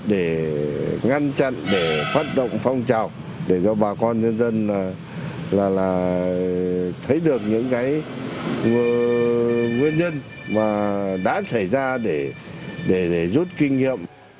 để ngăn chặn để phát động phong trào để cho bà con dân dân thấy được những nguyên nhân đã xảy ra